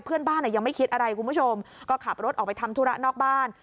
เพื่อนบ้านยังไม่คิดอะไรคุณผู้ชมก็ขับรถออกไปทำธุระนอกบ้าน